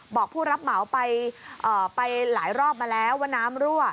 บอกผู้รับเหมาไปหลายรอบมาแล้วว่าน้ำรั่ว